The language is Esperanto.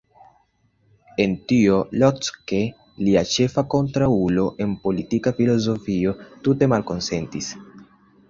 En tio, Locke, lia ĉefa kontraŭulo en politika filozofio, tute malkonsentis.